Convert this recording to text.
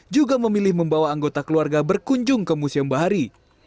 juga memilih membawa anggota keluarga berkunjung ke museum bahari